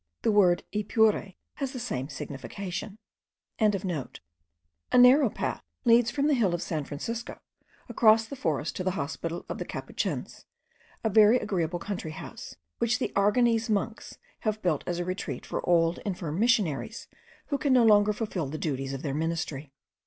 The word ipure has the same signification.) A narrow path leads from the hill of San Francisco across the forest to the hospital of the Capuchins, a very agreeable country house, which the Aragonese monks have built as a retreat for old infirm missionaries, who can no longer fulfil the duties of their ministry.